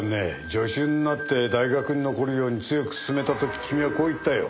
助手になって大学に残るように強くすすめた時君はこう言ったよ。